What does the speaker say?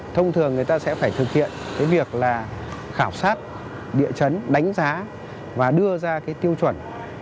thông thường người ta sẽ phải thực hiện cái việc là khảo sát địa chấn đánh giá và đưa ra cái tiêu chuẩn